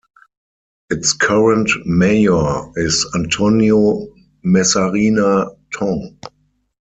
Its current mayor is Antonio Mezzarina Tong.